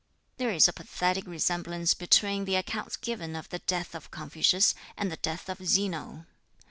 There is a pathetic resemblance between the accounts given of the death of Confucius and the death of Zeno.